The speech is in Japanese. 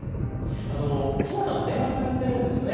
ひなさんと電話つながってるんですよね。